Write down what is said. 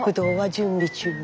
準備中や。